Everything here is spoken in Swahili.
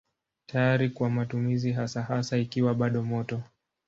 Tayari kwa matumizi hasa hasa ikiwa bado moto.